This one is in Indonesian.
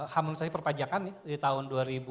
hamilisasi perpajakan di tahun